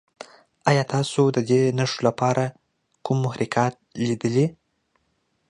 ایا تاسو د دې نښو لپاره کوم محرکات لیدلي؟